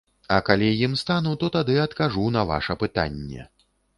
А калі ім стану, то тады адкажу на ваша пытанне.